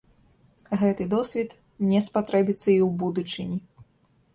Гэты досвед мне спатрэбіцца і ў будучыні.